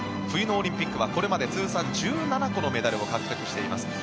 冬のオリンピックはこれまで通算１７個のメダルを獲得しています。